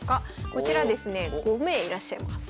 こちらですね５名いらっしゃいます。